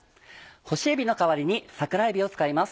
干しえびの代わりに桜えびを使います。